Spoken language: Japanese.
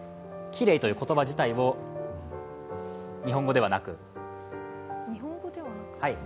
きれいという言葉自体を日本語ではなく。